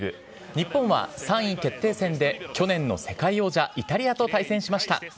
日本は３位決定戦で、去年の世界王者、イタリアと対戦しました。